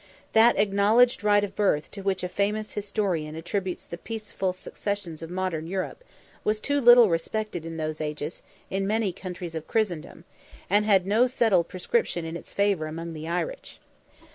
That "acknowledged right of birth" to which a famous historian attributes "the peaceful successions" of modern Europe, was too little respected in those ages, in many countries of Christendom—and had no settled prescription in its favour among the Irish.